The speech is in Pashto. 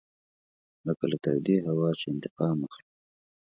لکه له تودې هوا چې انتقام اخلو.